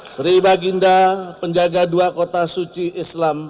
sri baginda penjaga dua kota suci islam